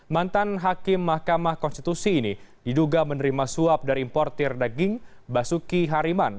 mantan hakim mahkamah konstitusi ini diduga menerima suap dari importir daging basuki hariman